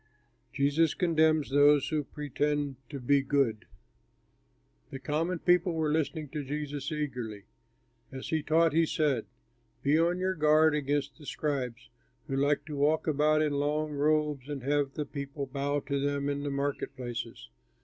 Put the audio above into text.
JESUS CONDEMNS THOSE WHO PRETEND TO BE GOOD The common people were listening to Jesus eagerly. As he taught he said, "Be on your guard against the scribes, who like to walk about in long robes and to have the people bow to them in the market places.